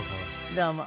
どうも。